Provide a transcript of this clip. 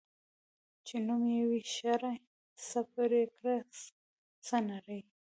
چی نوم یی وی شړي ، څه پریکړه ځه نري .